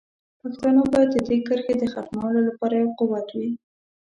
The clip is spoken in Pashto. پښتانه باید د دې کرښې د ختمولو لپاره یو قوت وي.